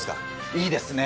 いいですね。